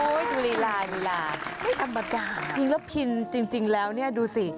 โอ้โหดูลีลาไม่ธรรมดาพินแล้วพินจริงแล้วเนี่ยดูสิ